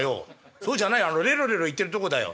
そうじゃないあのレロレロ言ってるとこだよ」。